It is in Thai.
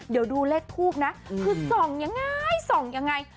เดี๋ยวดูเลขทูบนะคือส่องยังไงส่องยังไง